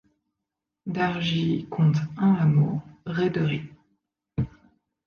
Dargies compte un hameau, Réderie.